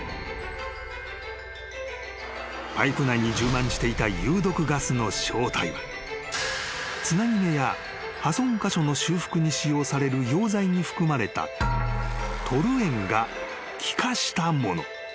［パイプ内に充満していた有毒ガスの正体はつなぎ目や破損箇所の修復に使用される溶剤に含まれたトルエンが気化したもの］